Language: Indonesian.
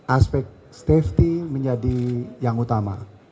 aspek safety menjadi yang utama